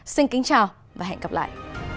xin kính chào và hẹn gặp lại